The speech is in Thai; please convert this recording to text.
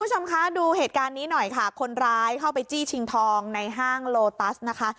คุณผู้ชมคะดูเหตุการณ์นี้หน่อยค่ะคนร้ายเข้าไปจี้ชิงทองในห้างโลตัสนะคะ